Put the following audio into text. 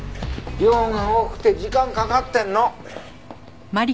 量が多くて時間かかってるの。